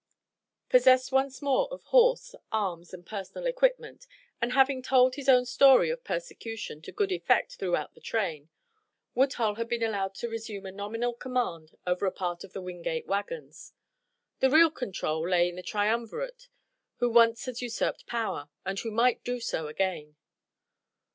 Possessed once more of horse, arms and personal equipment, and having told his own story of persecution to good effect throughout the train, Woodhull had been allowed to resume a nominal command over a part of the Wingate wagons. The real control lay in the triumvirate who once had usurped power, and who might do so again.